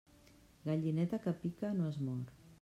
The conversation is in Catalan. Gallineta que pica no es mor.